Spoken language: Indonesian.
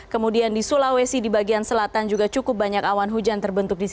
kemudian di sulawesi di bagian selatan juga cukup banyak awan hujan terbentuk di sini